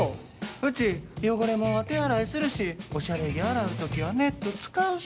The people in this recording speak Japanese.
うち汚れもんは手洗いするしおしゃれ着洗う時はネット使うし。